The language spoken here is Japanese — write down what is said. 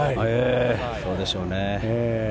そうでしょうね。